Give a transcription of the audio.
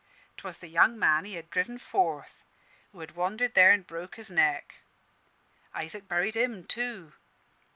'Twas the young man he had driven forth, who had wandered there an' broke his neck. Isaac buried him too.